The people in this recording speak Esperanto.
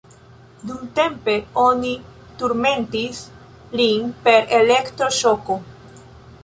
Dumtempe oni turmentis lin per elektro-ŝoko.